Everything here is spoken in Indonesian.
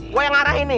gua yang arahin nih